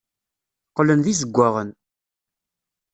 Qqlen d izewwaɣen.